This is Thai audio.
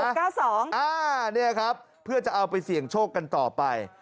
๖๙๒อ้านี่แหละครับเพื่อจะเอาไปเสี่ยงโชคกันต่อไป